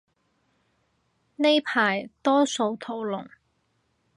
呢排多數屠龍